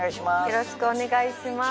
よろしくお願いします。